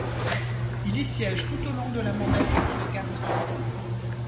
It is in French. Il y siège tout au long de la mandature de quatre ans.